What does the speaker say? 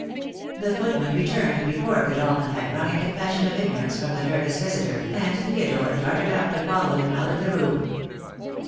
The footman returned before Godolphin had wrung a confession of ignorance from the nervous visitor, and Theodore darted up to follow him out of the room.